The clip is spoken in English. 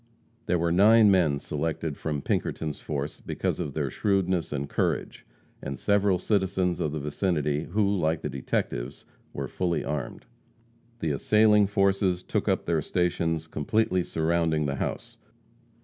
There were nine men selected from Pinkerton's force because of their shrewdness and courage, and several citizens of the vicinity who, like the detectives, were fully armed. The assailing forces took up their stations completely surrounding the house.